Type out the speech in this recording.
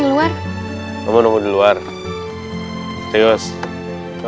ini orang kunanta ya